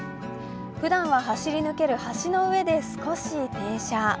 ふだんは走り抜ける橋の上で少し停車。